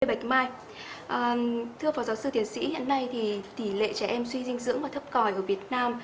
thưa phó giáo sư tiến sĩ hiện nay thì tỷ lệ trẻ em suy dinh dưỡng và thấp còi ở việt nam